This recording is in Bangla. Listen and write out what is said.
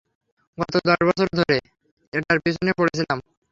গত দশ বছর ধরে এটার পিছনে পড়ে ছিলাম।